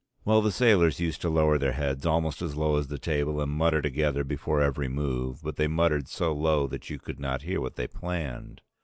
Well, the sailors used to lower their heads almost as low as the table and mutter together before every move, but they muttered so low that you could not hear what they planned.